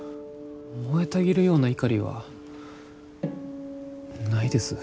燃えたぎるような怒りはないです。